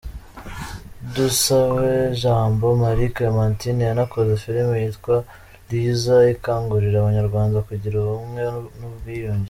Dusabejambo Marie Clémentine yanakoze filime yitwa ‘Lyiza’ ikangurira Abanyarwanda kugira ubumwe ubwiyunge.